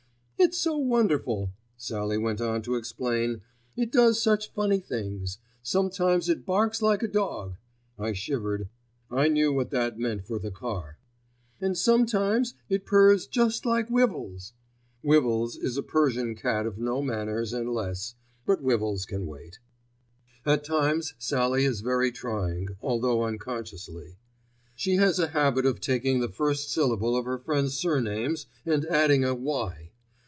"It's so wonderful," Sallie went on to explain. "It does such funny things. Sometimes it barks like a dog—(I shivered, I knew what that meant for the car)—and sometimes it purrs just like Wivvles." Wivvles is a Persian kitten of no manners and less——but Wivvles can wait. At times Sallie is very trying, although unconsciously. She has a habit of taking the first syllable of her friends' surnames and adding a "y."